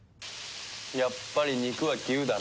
やっぱり肉は牛だな。